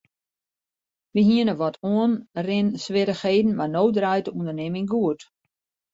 Wy hiene wat oanrinswierrichheden mar no draait de ûndernimming goed.